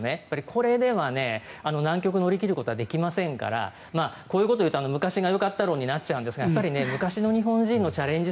これでは難局を乗り切ることはできませんからこういうことを言うと昔がよかった論になるんですが昔の日本人のチャレンジ